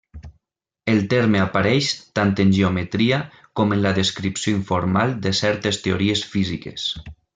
El terme apareix tant en geometria, com en la descripció informal de certes teories físiques.